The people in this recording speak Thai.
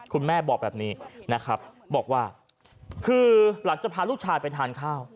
คุณแม่บอกแบบนี้นะครับบอกว่าคือหลังจากพาลูกชายไปทานข้าว